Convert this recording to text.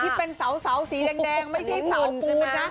ที่เป็นเสาสีแดงไม่ใช่เสาปูนนะ